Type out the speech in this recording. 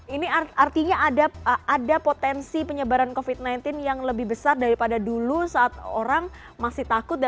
ini artinya ada potensi penyebaran covid sembilan belas yang lebih besar daripada dulu saat orang masih takut